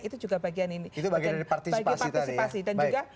itu juga bagian ini itu bagian dari partisipasi